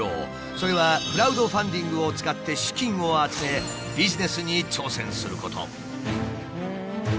それはクラウドファンディングを使って資金を集めビジネスに挑戦すること。